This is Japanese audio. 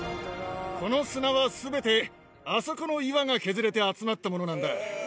この砂はすべて、あそこの岩が削れて集まったものなんだ。